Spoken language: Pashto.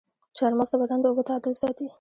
چارمغز د بدن د اوبو تعادل ساتي.